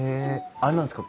あれなんですか？